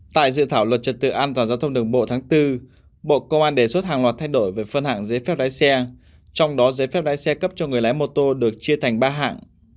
tại dự thảo luật trật tự an toàn giao thông đường bộ tháng bốn bộ công an đề xuất hàng loạt thay đổi về phân hạng giấy phép lái xe trong đó giấy phép lái xe cấp cho người lái mô tô được chia thành ba hạng